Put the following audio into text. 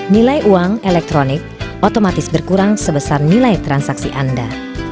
nilai uang elektronik otomatis berkurang sebesar nilai transaksi anda